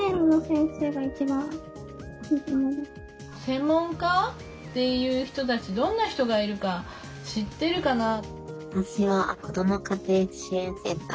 専門家っていう人たちどんな人がいるか知ってるかな？